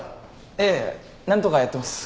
ええ何とかやってます。